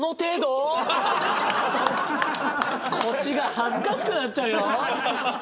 こっちが恥ずかしくなっちゃうよ！